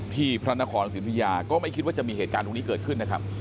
พระนครศิริยาก็ไม่คิดว่าจะมีเหตุการณ์ตรงนี้เกิดขึ้นนะครับ